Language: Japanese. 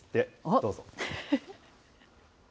どうぞ。